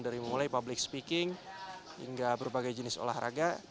dari mulai public speaking hingga berbagai jenis olahraga